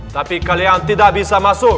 tapi kalian tidak bisa masuk